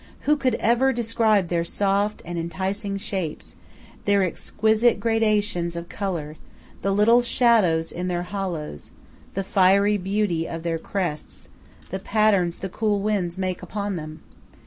Who could ever describe their soft and enticing shapes, their exquisite gradations of color, the little shadows in their hollows, the fiery beauty of their crests, the patterns the cool winds make upon them?